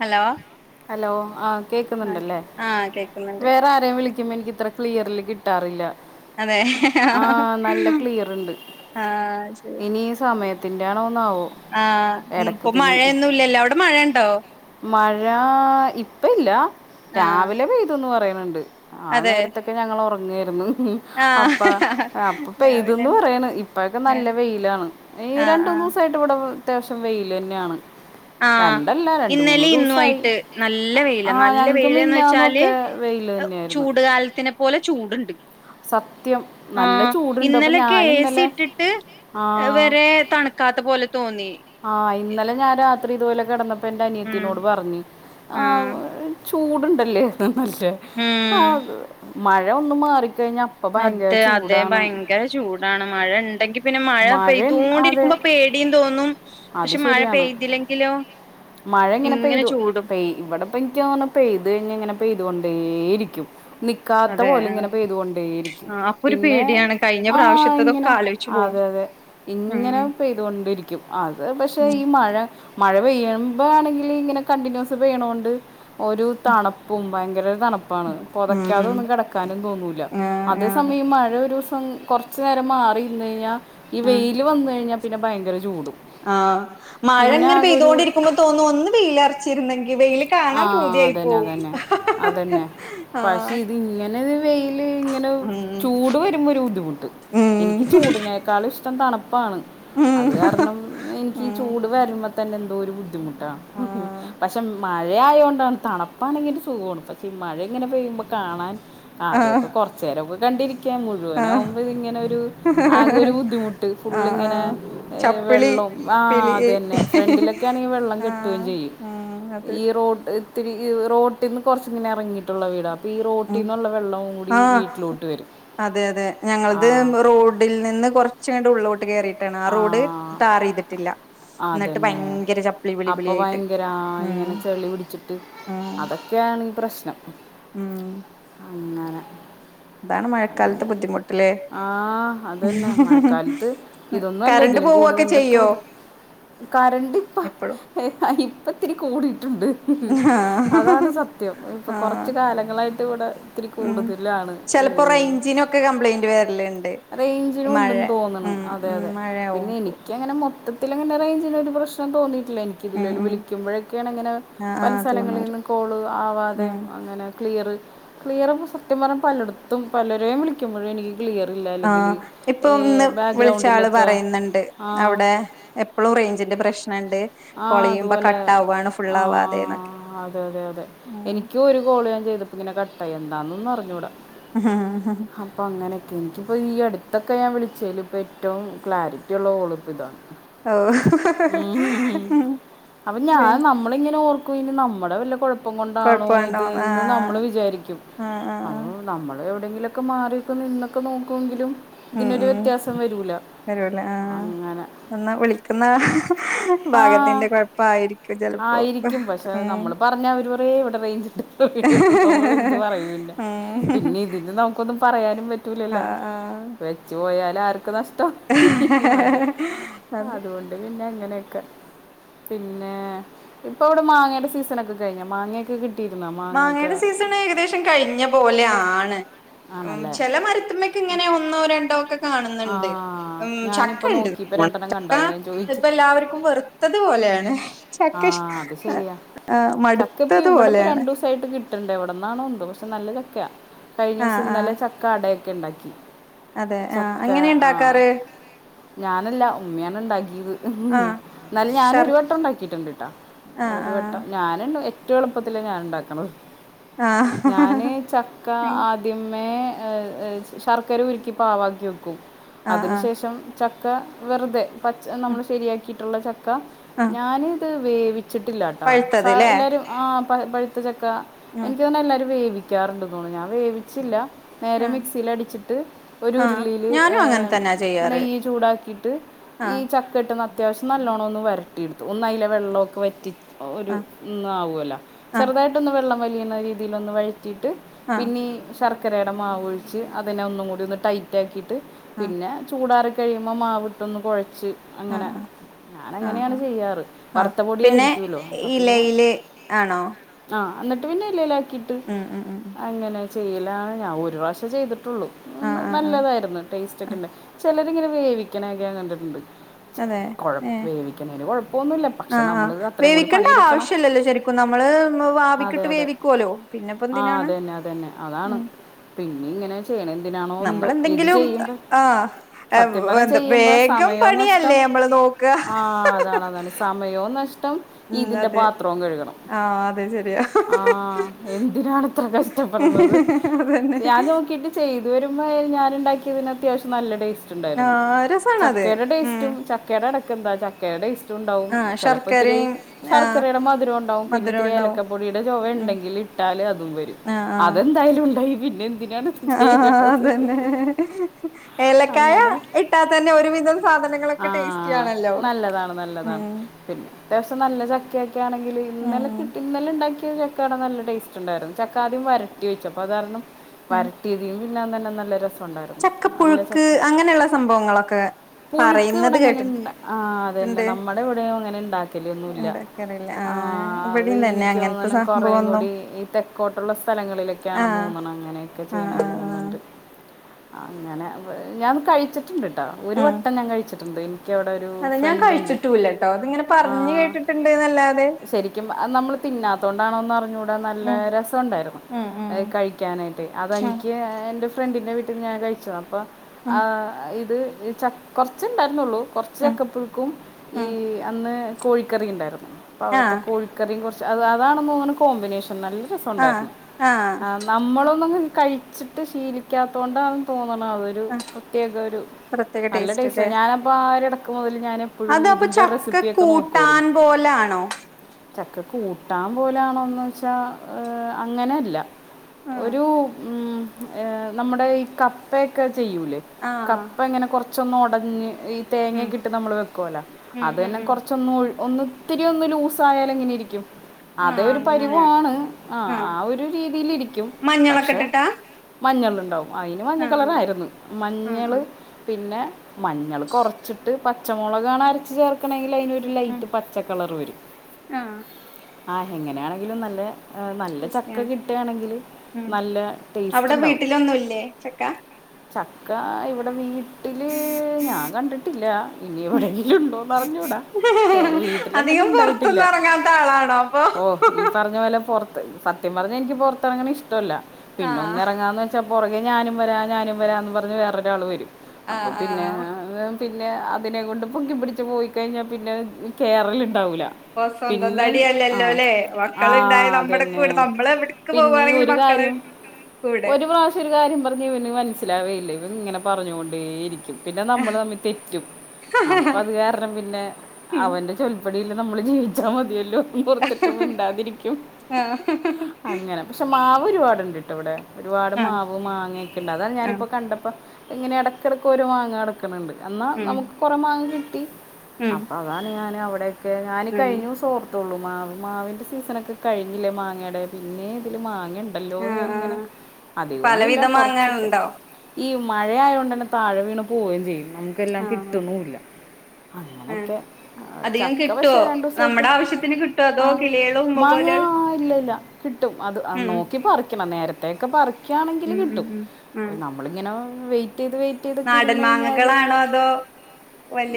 Hello hello ആ കേൾക്കുന്നുണ്ടല്ലേ ആഹ് കേക്കുന്നുണ്ട് വേറെ ആരെയും വിളിക്കുമ്പോ എനിക്ക് കേ അത്ര ക്ലിയറില് കിട്ടാറില്ല. അതെ. ഹ് ഹ് ആ നല്ല ക്ലിയർ ഉണ്ട് ആ ആഹ് ശരി. [unintelligible] തിന്റെറെണോ ആഹ് ഇപ്പൊ മഴയൊന്നുല്ലല്ലോ അവിടെ മഴയണ്ടോ മഴ ഇപ്പ ഇല്ല. ആഹ് രാവിലെ പെയ്തുന്ന് പറയ രണ്ട് [unintelligible] ആ അതെ നേരത്തൊക്കെ ഞങ്ങൾ ഉറ [unintelligible] നേരുന്നു ഉ അപ്പ ആഹ് അപ്പൊ രാവിലെ പെയ്തന്ന് പറയാണ്. ഇപ്പൊക്കെ നല്ല വെയിലാണ് ഈ ആഹ് രണ്ട് മൂന്ന് ആഹ് ദിവസയിട്ട് ഇവിടെ അത്യാവശ്യം വെയിൽ തന്നെയാണ്. രണ്ടല്ല രണ്ട് മൂന്ന് ദിവസമായി ഇന്നുവായിട്ട് നല്ല വേയില ആ നല്ല ഞങ്ങൾക്ക് വെയിലന്ന് വെച്ചാല് മിഞ്ഞാന്നൊക്കെ വെയിൽ തന്നെയായിരുന്നു ചൂടുകാലത്തിനെ പോലെ ചൂടുണ്ട്. സത്യം നല്ല ആഹ ചൂടുണ്ട് അപ്പം ഇന്നലൊക്കെ ഞാൻ ഏ സി ഇന്നലെ ഇട്ടിട്ട് ആ വറെ തണുക്കാത്ത പോലെ തോന്നി. എ [unintelligible] ത്രി ഇത്പോല കിടന്ന എന്റെ അനിയത്തിനോട് പറഞ്ഞു ആ ആഹ് [unintelligible] ചൂടുണ്ടല്ലേ ഹ് നല്ല വാ ഉം [unintelligible] മഴ ഒന്ന് മാറി അതെ അതെ ഭയങ്കര ചൂടാണ് മഴ ഉണ്ടെങ്കി പിന്നെ മഴ പെയ്തോണ്ടിരിക്കുമ്പോ പേടിയും തോന്നും അത് പക്ഷെ മഴ ശരിയാണ് പെയ്തില്ലെങ്കിലോ മഴ ഇങ്ങനെ പെയ്തു ചൂടും പെയ് ഇവിടെ ഇപ്പം പരിക്കും [unintelligible] നിക്കാത്ത അതെ പോലെ ആഹ് ഇങ്ങനെ പെയ്തൊണ്ടേയിരിക്കും. ആഹ് അപ്പൊ ഒരു പിന്നെ പേടിയാണ് കഴിഞ്ഞ ആ പ്രാവശ്യത്തതൊക്കെ ഇങ്ങനെ ആലോചിച്ചു പോവും അതെ അതെ ഉം ഇങ്ങനെ പെയ്തുകൊണ്ടേ ഇരിക്കും അത് പക്ഷെ ഉം ഈ മഴ മഴ പെയ്യുമ്പോ ആണെങ്കില് ഇങ്ങനെ കണ്ടിന്യൂസ് പെയ്യണോണ്ട് ഒരു തണുപ്പും ഭയങ്കര തണുപ്പ് പ്പാണ്. ഉം പുതയ്ക്കാതെ ഉം ഒന്നും കിടക്കാനും തോന്നു [unintelligible] ല്ല. ആഹ് അതേ ആഹ് സമയം ഈ മഴ ഒരു ദിവസം കുറച്ചു നേരം മാറിനിന്ന് കഴിഞ്ഞാ ഈ വെയില് വന്ന് കഴിഞ്ഞാ പിന്നെ ഭയങ്കര ചൂടും ആ മഴ പിന്നെ ഇങ്ങനെ ആകെ ഒരു പെയ്തോണ്ടിരിക്കുമ്പോ തോന്നു ഒന്ന് വെയിലെറച്ചിരുന്നെങ്കി വെയില് ആ കാണാൻ പൂതിയായി അതന്നെ പോവും അതന്നെ അതന്നെ ആ പക്ഷെ ഇത് ഇങ്ങനെ ഇത് വെയിൽ ഇങ്ങനെ ചൂട് വരുമ്പോ ഒരു ബുദ്ധിമുട്ട്. എനിക്ക് ഉം ചൂടിനെക്കാളും ഇഷ് ഇഷ്ടം തണുപ്പാണ് ഉം അത് കാരണം എനിക്ക് ഈ ഉം ചൂട് വരുമ്പോ തന്നെന്തോ ഒരു ബുദ്ധിമു ട്ടാ ആഹ് പക്ഷെ മഴയായോണ്ടാണ് തണുപ്പാണെങ്കി ഒരു സുഖവാണ് പക്ഷേ ഈ മഴ ഇങ്ങനെ പെയ്യുമ്പോ കാണാൻ ആ ആഹ് ആദ്യക്കെ കൊറച്ചു നേരം കണ്ടിരി ക്കാൻ ആഹ് മുഴുവനാവുമ്പോ ഇങ്ങനെ ഒരു ആകെ ആഹ് ഒരു ബുദ്ധിമുട്ട് ഫുള്ളിങ്ങനെ ആഹ് ഏ ചപ്പിളി വെള്ളം ആ പിളി അത് തന്നെ ഫ്രണ്ടിലൊക്കെ ആണെങ്കിൽ വെള്ളം കെട്ടുകയും ആഹ് ചെയ്യും ഉം അത് ഈ റോഡ് ഒത്തിരി ഈ റോട്ടിന്ന് കുറച്ച് ഇങ്ങനെ ഇറങ്ങിയിട്ടുള്ള വീടാണ് ഈ റോട്ടിൽ നിന്നുള്ള വെള്ളവും കൂടി ആ വീട്ടിലോട്ട് വരും അതെ അതെ ആ ഞങ്ങളത് റോഡിൽ നിന്ന് കുറച്ചങ്ങോട്ട് ഉള്ളോ ആ എന്നിട്ട് അതന്നെ ഭയങ്കര ചപ്പിളി പിളി അപ്പൊ പിളിയായിട്ട് ഭയങ്കര ഉം ആഇങ്ങനെ ചെളി പിടിച്ചിട്ട് ഉം അതൊക്കെയാണ് ഈ പ്രശ്നം ഉം ഒന്നര അതാണ് മഴക്കാലത്ത് ബുദ്ധിമുട്ടില്ലേ ആ അതന്നെ മഴക്കാലത്ത് ഇതൊന്നും അല്ല കറണ്ട് ഇതിലും കൂടുതൽ പോവൊക്കെ എന്തൊക്കെ ചെയ്യോ ബുദ്ധി കരണ്ട് ഇപ്പ എപ്പഴും ഈ ഇപ്പത്തിരി കൂടി ട്ടുണ്ട് ആഹ് അതാണ് സത്യം ഇപ്പൊ ആഹ് കൊറച്ച് കാലങ്ങളായിട്ട് ഇവിടെ ഇത്തിരി ഉം കൂടുതലാണ് ഏ ചെലപ്പോ റേഞ്ചിനൊക്കെ കംപ്ലൈന്റ് വരലുണ്ട് ഈ റേഞ്ചിനും മഴ ഉണ്ടെന്ന് തോന്നണ് ഉം അതെ ഉം അതെ മഴയാവും പിന്നെ എനിക്കങ്ങനെ മൊത്തത്തിലങ്ങട്ട് റേഞ്ചിന് ഒരു പ്രശ്നം തോന്നി പ്പളും ഉം എനിക്കിതിലേലും ഉം വിളിക്കുമ്പോഴൊക്കെയാണ് ഇങ്ങനെ ആഹ് പല ആഹ് തൂന്നൂര് സ്ഥലങ്ങളീന്നും കോള് ഉം ആവാതെയും അങ്ങനെ ക്ലിയറ് ക്ലിയറുമ്പൾ സത്യം പറഞ്ഞ പലയിടത്തും പലരെയും വിളിക്കുമ്പോഴും എനിക്ക് ക്ലിയർ ഇല്ല അല്ലെങ്കിൽ ആഹ് ഇപ്പൊ ഒന്ന് വിളിച്ച ആള് ബാക്ക്ഗ്രൗണ്ടിലൊക്കെ പറയുന്നുണ്ട് ആ അവിടെ എപ്പഴും റേഞ്ചിന്റെ പ്രശ്നുണ്ട് ആ കൊളയുമ്പോ അതുപോലെ കട്ട ആവുവയാണ് ആ ഫുള്ളാവാതെന്നൊക്കെ ഉ കാൾ ഞാൻ ചെയ്തപ്പോൾ കട്ടായി എന്താനൊന്നുംഅറിയില്ല ഉം ഉം എനിക്കിപ്പോൾ ഈ അടുത്തിക്കെ ഞാൻ വിളിച്ചെല് ഏറ്റവും ക്ലാരിറ്റിയുടെ കോൾ ഇതാണ് ഓഹ് അപ്പോൾ ഞാൻ നമ്മൾ ഇങ്ങനെ ഓർക്കുക ഇനി നമ്മുടെ വല്ല കുഴപ്പവും കുഴപ്പം കൊണ്ടാണോ ഇത് കൊഴപ്പണ്ടോന്ന് എന്ന് നമ്മൾ ആഹ് വിചാരിക്കും ആഹ് ആഹ് അത് നമ്മൾ എവിടെയെങ്കിക്കെ മാറി നിന്നൊക്കെ നോക്കിയെങ്കിലും ഉം ഇതിനൊരു ഉം വ്യത്യാസം വരില്ല വരൂല ആ അങ്ങനെ ആ എന്നാ വിളിക്കുന്ന ഭാഗത്തിന്റെ ആ കുഴപ്പമായിരിക്കും ചിലപ്പോ ആയിരിക്കും പക്ഷെ നമ്മൾ ഉം പറഞ്ഞാൽ അവർ പറയും ഇവിടെ റേഞ്ച് നമ്മൾ എന്ത് പറയാനും പറ്റില്ല പറയാനും പറ്റില്ലല്ലോ ആഹ് ആഹ് വെച്ച് പോയോ എല്ലാവർക്കും താ താ അതെ അത് അതുകൊണ്ട് പിന്നെ അങ്ങനെ പിന്നെ ഇപ്പ അവിടെ മാങ്ങയുടെ സീസൺ ഒക്കെ കഴിഞ്ഞ മാങ്ങൊക്കെ കി മാങ്ങയുടെ സീസൺ ഏകദേശം കഴിഞ്ഞ പോലെ ആണ് ഉ ആണല്ലേ ചില മരത്ത്മക്ക് ഇങ്ങനെ ഒന്നോ രണ്ടോ ഒക്കെ കാണുന്നു ആ ണ്ട് ഉം ചക്ക ഞാനിപ്പോൾ ഉണ്ട് നോക്കിയപ്പോൾ രണ്ടെണ്ണം ചക്ക കണ്ടത് ഞാൻ ചോദിച്ചു ഇപ്പ എല്ലാവർക്കും വെറുത്തത് പോലെയാണ് ആ ചക്ക അത് ശരിയാ മടുത്തത് പോലെയാണ് ആയിട്ട് കിട്ടണ്ട് എവിടന്നാണോ എന്തോ പക്ഷെ നല്ലതൊക്കാ കഴിഞ്ഞ ആഹ് ദിവസം ആഹ് ഇന്നലെ ചക്ക അട കെണ്ടാക്കി അതെ ആഹ അങ്ങനെ ഉണ്ടാക്കാറ് ഞാനല്ല ഉമ്മണ് ഉണ്ടാക്കി ആഹ് എന്നാല ഞാനൊ ശർ ഒരു വട്ടം ഉണ്ടാക്കിട്ടുണ്ട് കേട്ടാ ആഹ് ഒരു ആഹ് വട്ടം ഞാന ഏറ്റവുംഎളുപ്പത്തില ഞാൻ ഉണ്ടാക്കണ ഞാന് ആഹ് ചക്ക ആദ്യമേ ഏ ശർക്കര ഉരുക്കി പാവാ കും ആഹ് അതിന് ആഹ് ശേഷം ചക്ക വെറുതെ പച്ച ഉം നമ്മള് ശരിയാക്കിട്ട് ട്ടുതുള്ള ചക്ക ആഹ് ഞാന് ഇത് വേവി.... ചിട്ടില്ലാട്ടോ സ പഴുത്തത് ല്ലേ എല്ലാവരും ആ പ പഴുത്ത ചക്ക ഉം എനക്ക് തന്നെ എല്ലാരും വേവിക്കും വിക്കാറുണ്ട് തോന്നുന്നു ഞാൻ വേവിച്ചില്ല നേരെ ആഹ് മിക്സിൽടിച്ചിട്ട് ഒരു ആഹ് ഉരുലി ഞാനും അങ്ങനെ തന്നാ ചെയ്യാറ് നെയ്യ് ചുടാക്കിട്ട് ഇ ആഹ് ചക്കായിട്ടഅത്വിശ്യം നല്ലോണം ചുടാക്കുക. എടുത്ത് അയിന്റെ വെള്ളമൊക്കെ വറ്റി, ഒരു ആഹ് ഒന്ന ആവല്ല ആഹ് ചെറുതായിട്ടൊന്ന് വെള്ളം വലിയ [inaudible] വീതിയിൽ വഴി [inaudible] ട്ട് ആഹ് പിന്നെ സർ [unintelligible] ചക്കരയുടെ മാവ ഒഴിച്ച് അതിനെ ഒന്നും കൂടി ഒന്ന് ടൈറ്റാക്കിയിട്ട്, ട്ട് ആഹ് പിന്നെ ചൂഡറി കഴിയുമ്പോൾ മാവവിട്ടൊന്ന് കുഴച്ച് അങ്ങനെ ആഹ് ആഹ് ആഹ് ഞാൻങ്ങനെയാണ് ആഹ് ചെയ്യാറ് ആഹ് വറുത്ത പിന്നെ പൊടിയായിരിക്കുല്ലോ അപ്പൊ പിന്നെ ഇലയില് ആണോ ആഹ എന്നി്ട്ട് പിന്ന ഇലയില് കിട്ടി ഉം ഉം ഉം അങ്ങനെ ചെയ്യലാണ് ഞാൻ ഒരു പ്രാവശം ചെയ്തി ആ ആഹ് ഒന്ന് ആഹ് ആഹ് നല്ലതായിരുന്നു ടേസ്റ്റ് ആഹ് ക്കണ്ട് ചിലരിങ്ങനെ വേവിക്കണെക്കെ ഞാൻ കണ്ടിട്ടുണ്ട് അതെ കൊഴപ്പ ഏഹ് വേവിക്കണതിന് കൊഴപ്പൊന്നുല്ല. പക്ഷെ ആഹ് ആഹ് നമ്മൾത് അത്രയും കൂടി വേവിക്കണ്ട പണിയെടുക്കണം ആവശ്യല്ലല്ലോ ശരിക്കും നമ്മള് മ് അതെ ആവിക്കിട്ട് അതെ വേവിക്കുവല്ലോ പിന്നെപ്പ ആ എന്തിനാണ് അതന്നെ അതന്നെ അതാണ് ഉം പിന്നെ ഇങ്ങനെ ചെയ്യണ എന്തിനാണോ എന്തോ ചെയ്യുമ്പോൾ ആ സത്യം പറഞ്ഞാൽ ചെയ്യുമ്പോൾ വേഗം പാ [unintelligible] ആ അതാണ് അതാണ് സമയവും [unintelligible] ഉം ഇതിന്റെ അതെ പാത്രവും കഴു ആഹ് അതെ ശരിയാ ആ എന്തിനാാണ് ഇത്ര കഷ്ടപ്പെടത് അതന്നെ ഞാൻ നോക്കിട്ട് ചെയ്തു വരുമ്പോ ഞാനുണ്ടാക്കി അതിന് അത്യാവശം നല്ല ടേസ്റ്റ്ണ്ട്. [unintelligible] ആഹ് രസാണത് ചക്കയുടെ ഉം ടേസ്റ്റും ചക്കേടെ എന്താ ചക്കേ ടെ ണ്ടാവും ആഹ് ചിലപ്പോ ഇത്തിരി ശർക്കരയും ആഹ് ശർക്കരയുടെ മധുരം ഉണ്ടാവും, പിന്നെ മധുരം ഇത്തിരി ഉണ്ടാവും ഏലക്കപ്പൊടിയുടെ ചവ ഉം ഉണ്ടെങ്കിൽ ഇട്ടാല് അതും വരും ആഹ് അതെന്തായാലും ഉണ്ട പിന്നെന്തിന് ആഹ് ആഹ് അതന്നെ [unintelligible] ഏലക്കായ ഇട്ടാത്തന്നെ ഒരുവിധം ആ സാധനങ്ങളൊക്കെ ടേസ്റ്റി ആണല്ലോ നല്ലതാണ് നല്ലതാണ് ഉം പിന്നെ അത്യാവശ്യം നല്ല ചക്കയായി ഒക്കെ ആണെങ്കിൽ ഉം ഇന്നലെ കി ഉം ഇന്നലെ ഉണ്ടാക്കി ചക്കാടെ നല്ല ടേസ്റ്റ് ഉണ്ടായിരുന്നു ചക്കാ ആദ്യം വരട്ടി വെച്ച് അപ്പോ അത് കാരണം ആഹ് വരട്ടിയതും എല്ലാ തന്നെ നല്ല രസം നല്ല ച ചക്കപ്പുഴുക്ക് അങ്ങനെയുള്ള സംഭവങ്ങളൊക്കെ പുഴുക്ക് പറയുന്നത് ഇവിടെങ്ങനെ ഇണ്ട് ആ അതല്ലെ കേട്ടിട്ടുണ്ട് നമ്മടെ ഇവിടെ അങ്ങനെ ഇണ്ടാക്കലോന്നുല്ല ഉണ്ടാക്കാറില്ല ആ ആഹ് അത് ഇവിടെയും തന്നെ എനിക്ക് അങ്ങനത്തെ തോന്ന്നേ കൊറേയും സംഭവൊന്നും കൂടി ഈ തെക്കോട്ടുള്ള സ്ഥലങ്ങളിലൊക്കെ ആണ് ആഹ് തോന്ന്ണേ അങ്ങനെയൊക്കെ ചെയ്യണ് ആഹ് ആഹ് ആഹ് തോന്നുന്നുണ്ട് ആ അങ്ങനെ ഞാന് കഴിച്ചിട്ണ്ട് ഒരു ഉം വട്ടം ഞാൻ കഴിച്ചിട്ട് [unintelligible] ക്കവിടെ ഒരു അതെ ഞാൻ ഫ്രണ്ട് ഉണ്ട് കഴിച്ചിട്ടൂല്ലട്ടോ അതിങ്ങനെ ആ പറഞ്ഞു കേട്ടിട്ടുണ്ട്ന്നല്ലാതെ ശരിക്കും നമ്മള് തിന്നാതോണ്ടാണോന്ന് അറിഞ്ഞൂട നല്ല ഉം രസൊണ്ടായിരുന്നു ഉം ഉം കഴിക്കാനായിട്ട് ഉം അതെനിക് [unintelligible] ഞാൻ കഴിച്ചതാ അപ്പം ഉം ആ ഇത് ഈ ചക് കുറച്ച്ണ്ടായിരുന്നൊള്ളൂ കോർച് ഉം ചക്കപ്പുഴുക്കും ഈ ഉം അന്ന് കോഴിക്കറി ഉണ്ടായിര് അവിടുത്തെ ആഹ് കോഴിക്കറിയും കോറച്ച് അതാണെന്ന് നെ കോമ്പിനേഷൻ നല്ല ആഹ് രസണ്ടായിരുന്നു ആഹ് നമ്മളോന്നും കഴിച്ചിട്ട് ശീലിക്കാമേ തോണ്ടന്ന് തോന്ന് അതൊരു ആഹ് പ്രത്യേക ഒരു പ്രത്യേക നല്ല അല്ലേ ടേസ്റ്റ് ഞാനപ്പൊ ആര് ഇടക്ക മുതല് ഞാൻ എപ്പോഴും അത് അപ്പൊ ഇതിന്റെ ചക്ക റെസിപ്പി ഒക്കെ നോക്കുവായിരുന്നു കൂട്ടാൻ പോലാണോ ചക്ക കൂട്ടാൻ പോലെയാണോന്ന് ച്ചാ അങ്ങനെയല്ല ഉം ഒരു ഉം [unintelligible] നമ്മടെ ഈ കപ്പയൊക്കെ ചെയുല്ലേ ആഹ് കപ്പങ്ങനേ ച്ചെന്ന് ഉടഞ്ഞ് ഈ ഉം തേങ്ങക്ക് ഇട്ട് നമ്മള് വെകോല്ലോ ഉം അത് ഉം തന്നെ ഉം കുറച്ചൊന്ന് ഒന്ന് ഒത്തിരി ഒന്ന് ലൂസാവല് എങ്ങനെരിക്കും ആഹ് അതൊരു അങ്ങനെ പരിവാണ് ആ ആഹ് ആ ഒരു രീതിയിലിരിക്കും മഞ്ഞളൊക്കെ പക്ഷെ ഇട്ടിട്ടാ മഞ്ഞൾ അതിന് മഞ്ഞ ആഹ് കളറായിരുന്നു ആഹ് മഞ്ഞള് ആഹ് പിന്നെ മഞ്ഞള് കുറച്ച്ട്ട് പച്ചമുളകാണ് അരച്ച് ചേർക്കണെ ഒരു ലൈറ്റ് പച്ച കളറ് വരും ആ ആ എങ്ങനെയാണെങ്കിലും നല്ലേ അതെ നല്ല ചക്ക ടേസ്റ്റിയാണ് കിട്ടാണെങ്കിൽ ഉം നല്ല ടേസ്റ്റ് അവിടെ ഇണ്ടാവും വീട്ടിലൊന്നുംല്ലേ ചക്ക ചക്ക ഇവിടെ വീട്ടില് ഞാൻ കണ്ടിട്ടില്ല ഇനി എവിടെങ്കിലും ഉണ്ടോ അറിഞ്ഞുടാ വീട്ടിലങ്ങനെ അധികം ഇണ്ടായിട്ടില്ല പൊറത്തൊന്നും എറങ്ങാത്ത ആളാണോ അപ്പൊ ഓ ഈ പറഞ്ഞ പോലെ പൊറ സത്യം പറഞ്ഞ എനിക്ക് പൊറത്തറങ്ങ്ണ ഇഷ്ടവല്ല പിന്നെ ആഹ് ഒന്ന് ഇറങ്ങാന്ന് വെച്ചാ പുറകെ ഞാനും വരാ ഞാനും വരാന്ന് പറഞ്ഞ് വേറൊരാൾ വരും അപ്പം ആഹ് പിന്നെ ആഹ് പിന്നെ അതിനെ കൊണ്ട് പൊക്കി പിടിച്ച് പോയിക്കഴിഞ്ഞാൽ പിന്നെ കേറല് ഇപ്പൊ സ്വന്തം തടിയല്ലല്ലോ ല്ലേ ആ മക്കളുണ്ടായ നമ്മുടെ അതന്നെ കൂടെ നമ്മള് എവിടക്ക് പിന്നെ ഈ പോവാണെങ്കിലും ഒരു മക്കള് കാര്യം കൂടെ ഒരു പ്രാവശ്യം ഒരു കാര്യം പറഞ്ഞ് ഇവന് മനസ്സിലാവേയില്ല ഇവ നിങ്ങനെ പറഞ്ഞോണ്ടേ ഇരിക്കും പിന്നെ നമ്മൾ തമ്മി തെറ്റും അപ്പ അത് കാരണം പിന്നെ അവന്റെ ചൊൽപ്പടി നമ്മള് ജീവിച്ചാൽ മതിയല്ലോ പുറത്തിട്ട് മിണ്ടാതിരിക്കും ആ അങ്ങനെ പക്ഷെ മാ ഒരുപാടുണ്ട്ട്ടോ ഇവിടെ ഒരുപാട് മാവ് മാങ്ങക്കെണ്ട് ആ അതാഞാനിപ്പോ കണ്ടപ്പോ ഇങ്ങനെ എടക്കടക്ക് ഓരൊ മാങ്ങ കെട ക്ക് ണ് ണ്ട് എന്നാ ഉം നമുക്ക് കുറെേ മാങ്ങ കി [unintelligible] ഉം അപ്പ അതാണ് ഞാന് നവടെ [unintelligible] ഞാനീ ഉം കഴിഞ്ഞ ദിസോ ള്ളൂ മാവ് മാവിന്റെ സീസണൊക്കെ കഴിഞ്ഞില്ലേ മാങ്ങേടെ പിന്നേം ഇതില് മാ ആ ങ്ങണ്ടല്ലോന്ന് ആ ഞാനിങ്ങനെ അധികമൊന്നുമില്ല പലവിധ കുറച്ചൊക്കെ മാങ്ങകൾണ്ടോ ഈ മഴയായൊണ്ട് തന്നെ താഴെ വീണ് പോവേം ചെയ്യും നമുക്കെല്ലാം ആ കിട്ടുന്നുഇല്ല ആ അങ്ങനൊക്കെ അധികം ചക്ക കിട്ടുവോ പക്ഷേ രണ്ടു ദിവസായിട്ട് നമ്മുടെ ആവശ്യത്തിന് കിട്ടുവോ അതോ ആഹ് കിളികള് ഉമ്പ മാങ്ങ പോലെയുള്ള ഇല്ലില്ല കിട്ടും അത് ഉം നോക്കിപ്പറിക്കണം നേര ത്തെക്കെ പറി ക്കാണെങ്കില് ഉം ഉം കിട്ടും ഉം ആ നമ്മളിങ്ങനെ ഉം വെയി റ്റയ്ത് വെയിറ്റ് ചെയ്തൊക്കെ നാടൻ ഇരുന്ന് കഴിഞ്ഞാല് മാങ്ങകളാണോ അതോ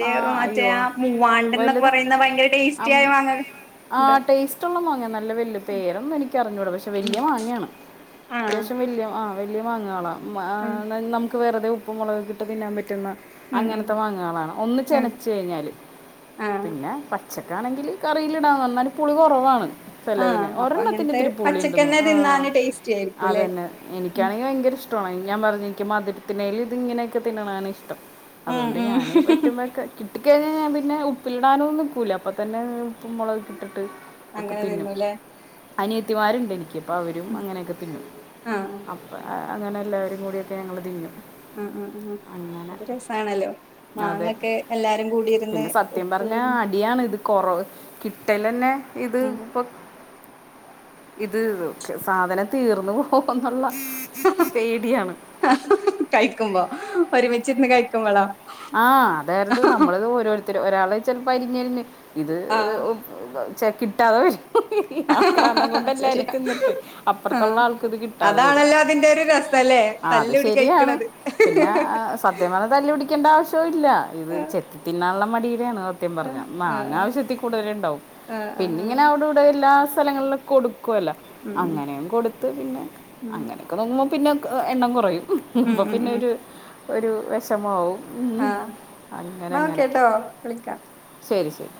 മ മറ്റേ അയ്യോ ആ മൂവാണ്ടൻന്നൊക്കെ വലുതാ പറയുന്ന ഭയങ്കര ടേസ്റ്റി ആയ മാങ്ങകൾ ആ ഉണ്ടോ ടേസ്റ്റ് ഉള്ള മാങ്ങയാ നല്ല വല്യ പേരൊന്നും എനിക്കറിഞ്ഞൂടാ പക്ഷെ ഉം വല്യ മാങ്ങയാണ് ആ അത്യാവ ല്യ ആ വല്യ മാങ്ങാളാ ആ [unintelligible] മുക്ക് വെറുതെ ഉപ്പും മുളകും ഒക്കെ ഇട്ട് തിന്നാൻ പറ്റുന്ന ഉം ഉം അങ്ങനത്തെ മാങ്ങകളാണ് ഒന്ന് ആ ചെനച്ച് കഴിഞ്ഞാല് ആ പിന്നെ പച്ചക്കാണെങ്കിൽ കറിയിലിടാം എന്നാലും പുളി കൊറവാണ് ആഹ് അപ്പൊ അങ്ങൻത്തെ പച്ചക്കന്നെ തിന്നാന് ടേസ്റ്റി ആയിരിക്കുലെ എനിക്കാണെങ്കി ഭയ്ങ്കര ഇഷ്ടാണ് ഞാൻ പർഞ്ഞി ക്ക് മധുരത്തിനേലി ഇത് ഇങ്ങനെയൊക്കെ തിന്ന്നാണ് ഇഷ്ടം ഉം അതുകൊണ്ട് ഞാനേ ഉം പറ്റുമ്പോ കഴിക്കും കിട്ടിക്കഴിഞ്ഞാൽ ഞാൻ പിന്നെ ഉപ്പിലിടാനൊന്നും നിക്കൂല അപ്പോം തന്നെ ഉപ്പും മൊളകും ഇട്ടിട്ട് ഒക്കെ അങ്ങനെ തിന്നും തിന്നുലെ അനിയത്തിമാരുണ്ട് എനിക്ക് പ്പോ അവരും അങ്ങനെയൊക്കെ തിന്നും ആഹ് അപ്പൊഴാ അങ്ങനെ എല്ലാവരും കൂടിയിട്ട് ഞങ്ങള് തിന്നും ആഹ് ആ ആ അങ്ങനെ അത് രസാണല്ലോ. അതെ മാങ്ങയൊക്കെ എല്ലാരും കൂടിയിരുന്ന് പിന്നെ ഉപ്പ് വരും. കിട്ടലന്നെ ഇത് ഇപ്പൊ ഇത് സാധനം തീർന്നു. പോവുന്നുംള്ള കഴിക്കുമ്പോ. ഒരുമി ച്ചിരുന്ന് കഴിക്കുമ്പൊളോ? ആഹ് അതായര്ത് നമ്മള് ഇതോരോരുത്ത റ്റ് ഒരാള് ചിലപ്പോ അരിഞ്ഞരിഞ്ഞ് ഇത് ആഹ് ച്ച കിട്ടാതെ വരും. ആക്രാന്തം കൊണ്ട് എല്ലാരും ശരിയാ തിന്നിട്ടെ. അപ്പുറത്തുള്ള ആഹ് ആൾക്ക് ഇത് കിട്ടാതെ വരും. അതാണല്ലോ അതിന്റെ ഒരു രസല്ലേ ആ അത് തല്ലുടി ശരിയാണ് കഴിക്കണത് പിന്നെ സത്യം പറ തല്ല്പിടി ണ്ടാവശ്യവി ല്ല. ഇത് ആഹ് ചെത്തി തിന്നാൻള്ള മടി യാണ സത്യം പറഞ്ഞാ ആഹ് മാങ്ങ ആഹ് ആവശ്യത്തി കൂടുതല്ണ്ടാവും. ആഹ് ആഹ് ആഹ് പിന്നിങ്ങനെ അവിടെ ഇവിടെ എല്ലാ സ്ഥലങ്ങളിൽ കൊടു ക്കാല്ലോ ഉം അങ്ങനെയും കൊടുത്ത് പിന്നെ ഉം അങ്ങനൊക്കെ നോ പിന്നെ എണ്ണം കൊറയും ഹ് ഉം ഹ് ഉം പിന്നൊരു ഒരു വെഷമാവും ആ ന്നാ ഓക്കെ ട്ടോ വിളിക്കാ ശെരി ശെരി